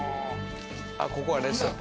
ここはレストラン？